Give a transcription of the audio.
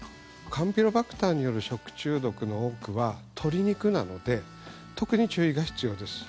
カンピロバクターによる食中毒の多くは鶏肉なので特に注意が必要です。